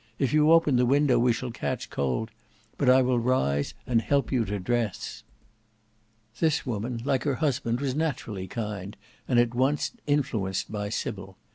If you open the window we shall catch cold; but I will rise and help you to dress." This woman, like her husband, was naturally kind, and at once influenced by Sybil.